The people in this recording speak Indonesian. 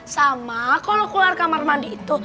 sama kalau keluar kamar mandi itu